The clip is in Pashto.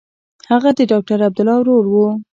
هغه د ډاکټر عبدالله ورور و.